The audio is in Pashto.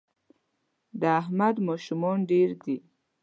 د احمد ماشومان ډېر دي